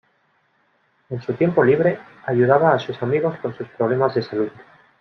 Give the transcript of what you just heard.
En su tiempo libre, ayudaba a sus amigos con sus problemas de salud.